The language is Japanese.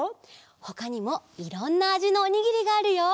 ほかにもいろんなあじのおにぎりがあるよ！